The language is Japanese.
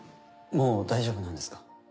もう大丈夫なんですか？